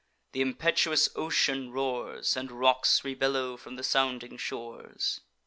Th' impetuous ocean roars, And rocks rebellow from the sounding shores.